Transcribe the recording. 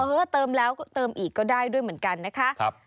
เออเติมแล้วก็เติมอีกก็ได้ด้วยเหมือนกันนะคะ